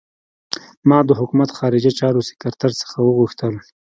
ما د حکومت خارجه چارو سکرټر څخه وغوښتل.